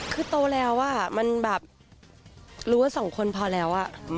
คือโตแล้วมันแบบรู้ว่าสองคนพอแล้ว